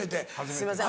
すいません